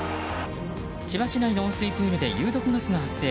千葉市内の温水プールで有毒ガスが発生。